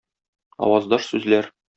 Аваздаш сүзләр